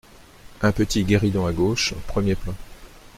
Un petit guéridon à gauche, premier plan.